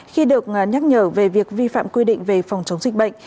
khi được nhắc nhở về việc vi phạm quy định về phòng chống dịch bệnh